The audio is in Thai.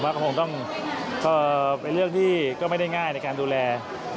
ก็คงต้องเป็นเรื่องที่ก็ไม่ได้ง่ายในการดูแล